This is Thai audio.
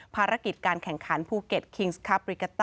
ภารกิจการแข่งขันภูเก็ตคิงส์คาปริกาตะ